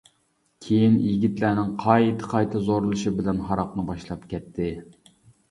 كېيىن يىگىتلەرنىڭ قايتا-قايتا زورلىشى بىلەن ھاراقنى باشلاپ كەتتى.